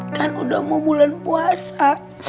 kan udah mau bulan puasa